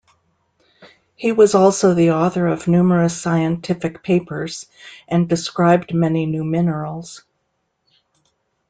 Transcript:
He was also the author of numerous scientific papers, and described many new minerals.